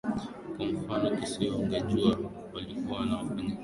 Kwa mfano kisiwani Unguja walikuwa wafanyakazi Wazungu na Wahindi waliocheza soka pamoja